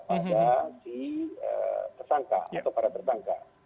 pada si tersangka atau para tersangka